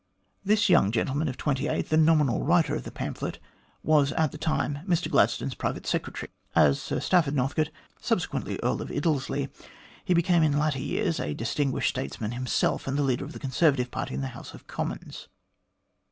This young gentleman of twenty eight, the nominal writer of the pamphlet, was at the time Mr Gladstone's private secretary. As Sir Stafford Northcote, subsequently Earl of Iddesleigh, he became in after years a distinguished states man himself, and the leader of the Conservative party in the House of Commons.